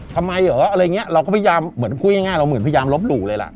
ทำไมเหรออะไรอย่างเงี้ยเราก็พยายามเหมือนพูดง่ายเราเหมือนพยายามลบหลู่เลยล่ะ